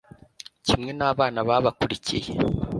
kimwe n'abana babakurikiye